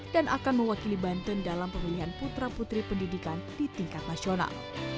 dan akan mewakili bantan dalam pemilihan putra putri pendidikan di tingkat nasional